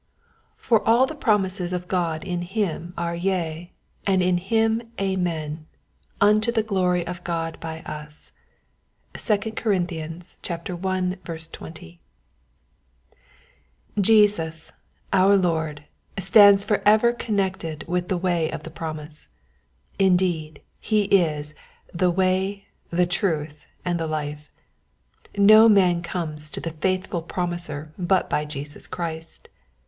''For all the promises of God in him are yea, and in him Amen, unto the glory of God by us." — 2 Cor. i. 30. ESUS, our Lord, stands for ever con nected with the way of the promise. Indeed, he is "the way, the truth, and the life." No man comes to the Faith ful Promiser but by Jesus Christ.